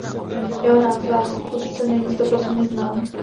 Jeho nástupce není stoprocentně znám.